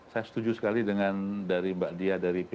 saya setuju sekali dengan dari mbak dya dari pbid tadi